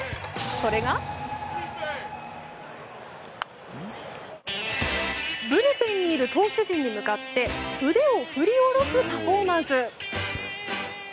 それがブルペンにいる投手陣に向かって腕を振り下ろすパフォーマンス。